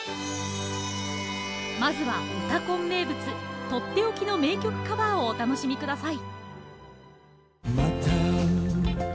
まずは「うたコン」名物取って置きの名曲カバーをお楽しみ下さい。